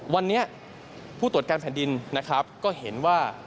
วันนี้ผู้ตรวจการแผ่นดินนะครับก็เห็นว่า